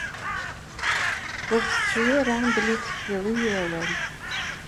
Ur tettu ara belli tefkiḍ-iyi awal!